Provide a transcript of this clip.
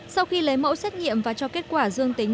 sau khi lấy mẫu xét nghiệm và cho kết quả dương tính